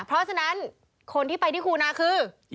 เพราะฉะนั้นคนที่ไปที่ครูนาคือ